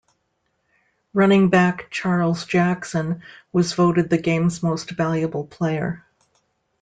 Running back Charles Jackson was voted the game's most valuable player.